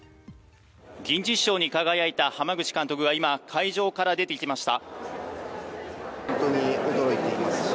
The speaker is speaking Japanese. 銀獅子賞に輝いた濱口監督が今、会場から出てきました。